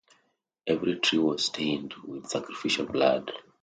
Every tree was stained with sacrificial blood.